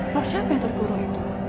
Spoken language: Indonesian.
roh siapa yang terkurung itu